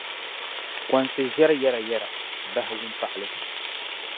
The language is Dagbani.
Kɔnsi ʒiɛri yɛrayɛra, bahi wumpaɣili.